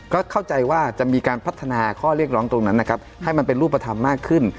ก็เข้าใจว่าจะมีการพัฒนาข้อเรียกร้องตรงนั้นนะครับให้มันเป็นรูปธรรมมากขึ้น